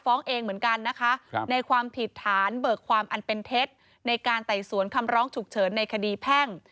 ฟ้องเองเหมือนกันนะคะในความผิดฐานเบิกความอันเป็นเท็จในการไต่สวนคำร้องฉุกเฉินในคดีแพ่ง